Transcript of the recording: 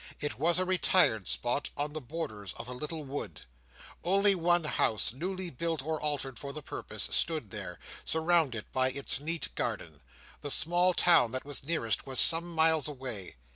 It was a retired spot, on the borders of a little wood. Only one house, newly built or altered for the purpose, stood there, surrounded by its neat garden; the small town that was nearest, was some miles away.